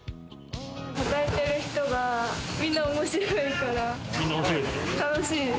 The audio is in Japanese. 働いてる人がみんな面白いから楽しいです。